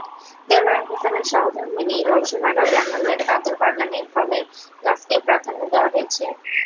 দেলোয়ার হোসেনের সহধর্মিণী রওশন আরা জানালেন, তাঁদের বাগানে ফলের গাছকে প্রাধান্য দেওয়া হয়েছে।